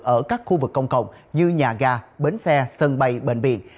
ở các khu vực công cộng như nhà ga bến xe sân bay bệnh viện